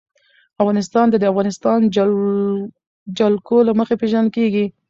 افغانستان د د افغانستان جلکو له مخې پېژندل کېږي.